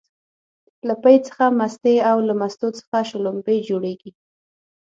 له پی څخه مستې او له مستو څخه شلومبې جوړيږي